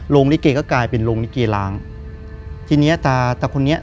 ลิเกก็กลายเป็นโรงลิเกล้างทีเนี้ยตาตาคนนี้